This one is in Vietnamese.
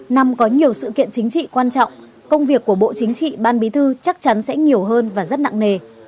năm có nhiều sự kiện chính trị quan trọng công việc của bộ chính trị ban bí thư chắc chắn sẽ nhiều hơn và rất nặng nề